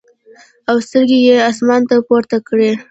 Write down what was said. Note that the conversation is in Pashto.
او سترګې ئې اسمان ته پورته کړې ـ